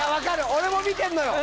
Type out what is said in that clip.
俺も見てんのよ。